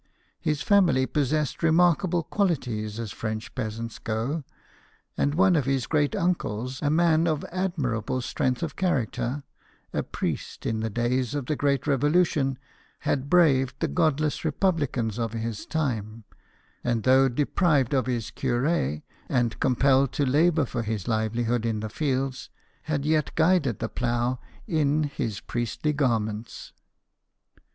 His family possessed remarkable qualities as French peasants go ; and one of his great uncles, a man of admirable strength of character, a priest in the days of the great Revolution, had braved the godless ii8 BIOGRAPHIES OF WORKING MEN. republicans of his time, and though deprived of his cure, and compelled to labour for his livelihood in the fields, had yet guided the plough in his priestly garments.